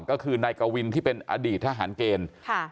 ก็คือนายกวินที่เป็นอดีตทหารเกณฑ์